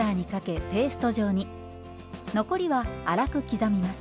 残りは粗く刻みます。